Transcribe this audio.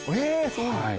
そうなんだ。